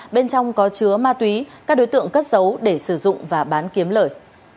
bên trong có chứa ma túy các đối tượng cất giấu để sử dụng và bán kiếm lợi